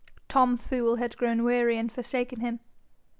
Tom Fool had grown weary and forsaken him.